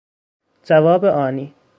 جواب آنی